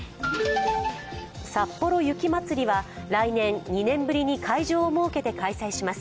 さっぽろ雪まつりは来年２年ぶりに会場を設けて開催します。